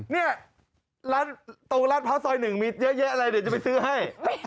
เนี่ยตรงร้านพร้าวซอยหนึ่งมีเยอะแยะอะไรเดี๋ยวจะไปซื้อให้